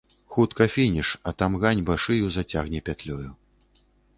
Хутка фініш, а там ганьба шыю зацягне пятлёю.